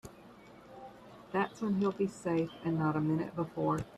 That's when he'll be safe and not a minute before.